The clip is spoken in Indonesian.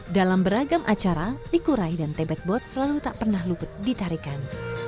dalam beragam acara likurai dan tebebot selalu tak pernah luput ditarikan